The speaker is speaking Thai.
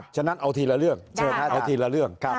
ฉะนั้นเอาทีละเรื่อง